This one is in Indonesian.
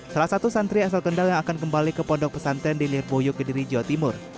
salah satu santri asal kendal yang akan kembali ke pondok pesantren di lirboyo kediri jawa timur